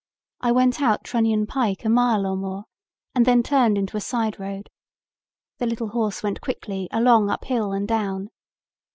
I went out Trunion Pike a mile or more and then turned into a side road. The little horse went quickly along up hill and down.